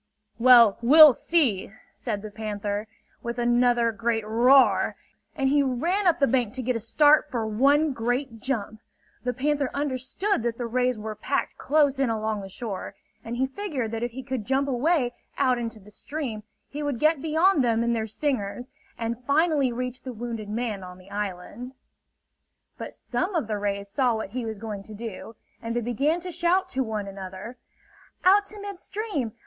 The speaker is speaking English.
"Well, we'll see!" said the panther, with another great roar; and he ran up the bank to get a start for one great jump. The panther understood that the rays were packed close in along the shore; and he figured that if he could jump away out into the stream he would get beyond them and their stingers, and finally reach the wounded man on the island. But some of the rays saw what he was going to do, and they began to shout to one another: "Out to mid stream!